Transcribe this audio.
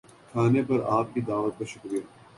کھانے پر آپ کی دعوت کا شکریہ